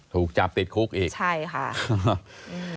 ถูกจับติดคุกอีกใช่ค่ะอืม